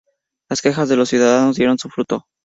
Las quejas de los ciudadanos dieron su fruto.